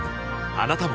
あなたも